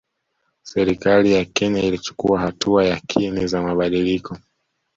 Serikali ya Kenya ilichukua hatua yakini za mabadiliko